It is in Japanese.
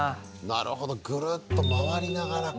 なるほどぐるっと回りながらか。